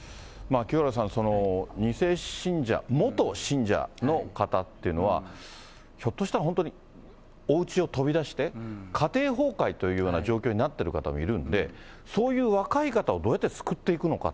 清原さん、２世信者、元信者の方っていうのは、ひょっとしたら本当におうちを飛び出して、家庭崩壊というような状況になっている方もいるので、そういう若い方をどうやって救っていくのか。